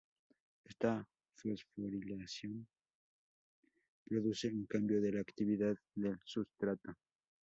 Esta fosforilación produce un cambio de la actividad del sustrato.